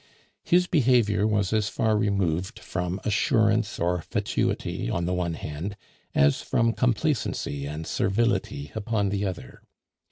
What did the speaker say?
His behavior was as far removed from assurance or fatuity on the one hand as from complacency and servility upon the other.